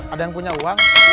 ada yang punya uang